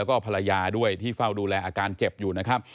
แล้วก็ภรรยาด้วยที่เฝ้าดูแลอาการเจ็บอยู่นะครับ